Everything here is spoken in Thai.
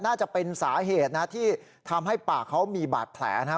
น่าจะเป็นสาเหตุนะที่ทำให้ปากเขามีบาดแผลนะฮะ